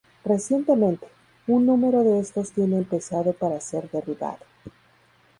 Recientemente, un número de estos tiene empezado para ser derribado.